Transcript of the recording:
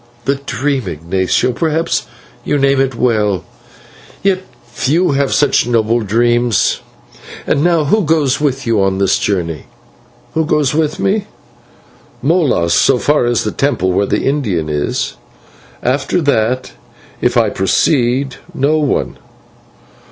"The dream, Ignatio? Perhaps you name it well, yet few have such noble dreams. And now, who goes with you on this journey?" "Who goes with me? Molas, as far as the temple where the Indian is. After that, if I proceed, no one.